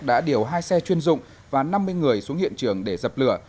đã điều hai xe chuyên dụng và năm mươi người xuống hiện trường để dập lửa